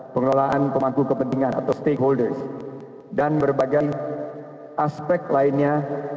pengelolaan pemangku kepentingan atau stakeholders dan berbagai aspek lainnya